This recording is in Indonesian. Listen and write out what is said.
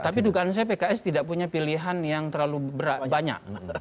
tapi dugaan saya pks tidak punya pilihan yang terlalu banyak